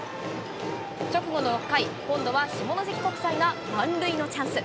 直後の６回、今度は下関国際が満塁のチャンス。